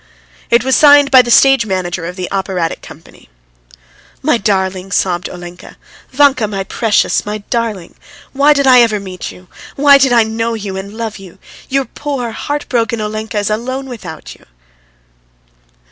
It was signed by the stage manager of the operatic company. "My darling!" sobbed Olenka. "Vanka, my precious, my darling! Why did I ever meet you! Why did I know you and love you! Your poor heart broken Olenka is alone without you!"